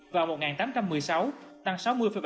vào một nghìn tám trăm một mươi sáu tăng sáu mươi bảy